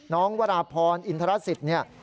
วราพรอินทรสิตเนี่ย